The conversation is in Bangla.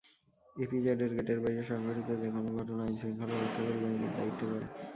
ইপিজেডের গেটের বাইরে সংঘটিত যেকোনো ঘটনা আইনশৃঙ্খলা রক্ষাকারী বাহিনীর দায়িত্বে পড়ে।